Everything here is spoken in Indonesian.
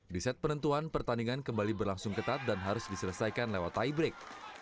di set penentuan pertandingan kembali berlangsung ketat dan harus diselesaikan lewat tiebrake